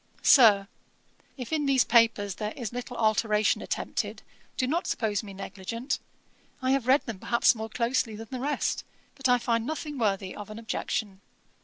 'SIR, 'If in these papers there is little alteration attempted, do not suppose me negligent. I have read them perhaps more closely than the rest; but I find nothing worthy of an objection.